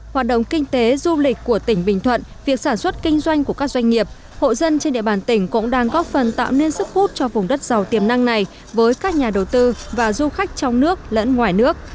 hoạt động kinh tế du lịch của tỉnh bình thuận việc sản xuất kinh doanh của các doanh nghiệp hộ dân trên địa bàn tỉnh cũng đang góp phần tạo nên sức hút cho vùng đất giàu tiềm năng này với các nhà đầu tư và du khách trong nước lẫn ngoài nước